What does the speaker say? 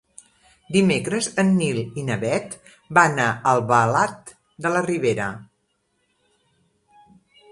Dimecres en Nil i na Bet van a Albalat de la Ribera.